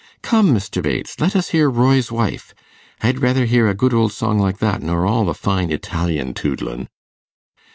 'Come, Mr. Bates, let us hear "Roy's Wife." I'd rether hear a good old song like that, nor all the fine Italian toodlin.